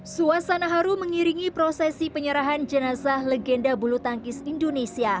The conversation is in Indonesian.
suasana haru mengiringi prosesi penyerahan jenazah legenda bulu tangkis indonesia